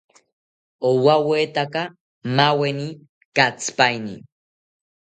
Owawetaka maaweni katsipaini